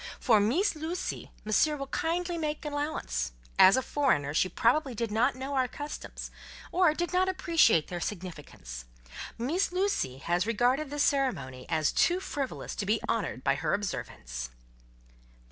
For Meess Lucie, Monsieur will kindly make allowance; as a foreigner she probably did not know our customs, or did not appreciate their significance. Meess Lucie has regarded this ceremony as too frivolous to be honoured by her observance."